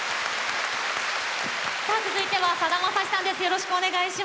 続いてはさだまさしさんです。